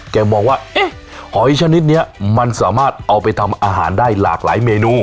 มองว่าเอ๊ะหอยชนิดนี้มันสามารถเอาไปทำอาหารได้หลากหลายเมนู